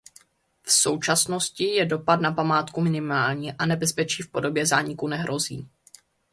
V současnosti je dopad na památku minimální a nebezpečí v podobě zániku nehrozí.